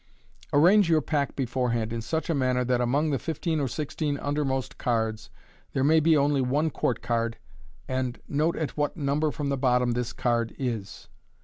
— Arrange your pack before hand in such manner that among the fifteen or sixteen undermost cards there may be only one court card, and note at what number from the bottom this card is.